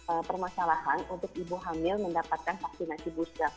dan tidak ada permasalahan untuk ibu hamil mendapatkan vaksin yang sama